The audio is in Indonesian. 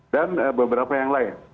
dan beberapa yang lain